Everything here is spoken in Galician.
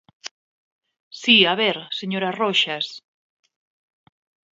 Si, a ver, señora Roxas.